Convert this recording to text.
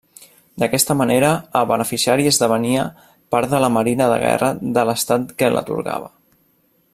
D'aquesta manera, el beneficiari esdevenia part de la marina de guerra de l'estat que l'atorgava.